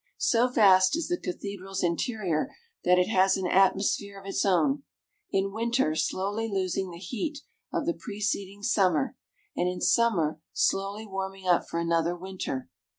So vast is the cathedral's interior that it has an atmosphere of its own in winter slowly losing the heat of the preceding summer, and in summer slowly warming up for another winter.